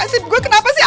kasib gue kenapa sih